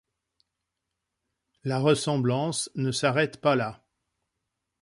La ressemblance ne s'arrête pas là.